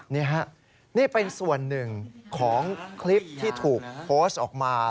นี่ฮะนี่เป็นส่วนหนึ่งของคลิปที่ถูกโพสต์ออกมา